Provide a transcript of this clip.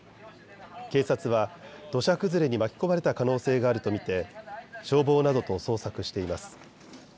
警察は土砂崩れに巻き込まれた可能性があると見て消防などと捜索しています。